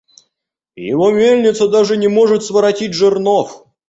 Его мельница даже не может своротить жернов.